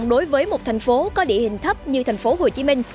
đối với một thành phố có địa hình thấp như thành phố hồ chí minh